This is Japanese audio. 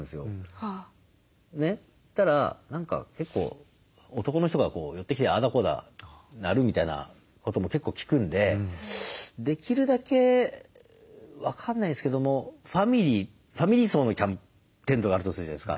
そしたら何か結構男の人が寄ってきてああだこうだなるみたいなことも結構聞くんでできるだけ分かんないですけどもファミリー層のテントがあるとするじゃないですか。